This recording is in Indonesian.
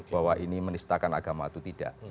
bahwa ini menistakan agama atau tidak